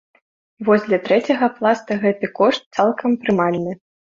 Вось для трэцяга пласта гэты кошт цалкам прымальны.